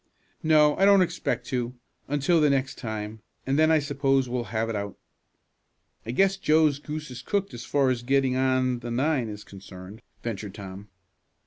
"No, I don't expect to until the next time, and then I suppose we'll have it out." "I guess Joe's goose is cooked as far as getting on the nine is concerned," ventured Tom.